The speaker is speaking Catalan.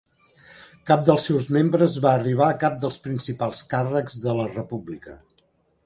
Cap dels seus membres va arribar a cap dels principals càrrecs de la república.